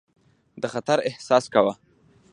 د خطر احساس کاوه.